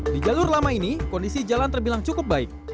di jalur lama ini kondisi jalan terbilang cukup baik